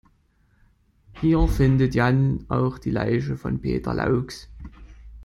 Hier findet Jan auch die Leiche von Peter Laux.